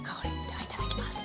ではいただきます。